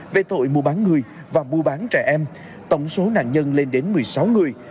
về tội mua bán người và mua bán trẻ em tổng số nạn nhân lên đến một mươi sáu người